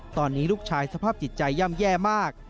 ตอนนี้ลูกชายสภาพจิตใจย่ำแย่มาก